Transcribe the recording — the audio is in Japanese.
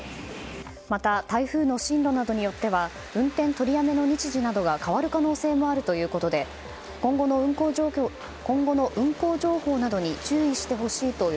また、台風の進路などによっては運転取りやめの日時などが変わる可能性もあるということで無事到着しました！